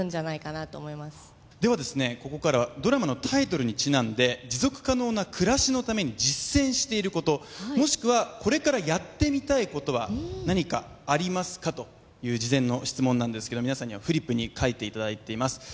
ここからはドラマのタイトルにちなんで持続可能な暮らしのために実践していることもしくはこれからやってみたいことは何かありますか？という事前の質問なんですけど皆さんにはフリップに書いていただいています